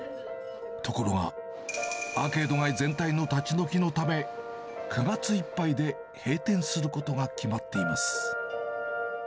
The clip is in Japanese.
ところが、アーケード街全体の立ち退きのため、９月いっぱいで閉店することが決まっています。